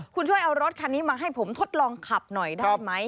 คุณช่วยเอารถคันนี้มาให้ผมทดลองขับหน่อยได้ไหม